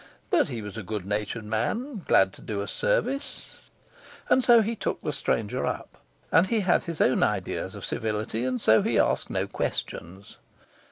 But he was a good natured man, glad to do a service, and so he took the stranger up; and he had his own idea of civility, and so he asked no questions.